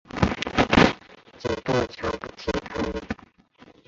极度瞧不起他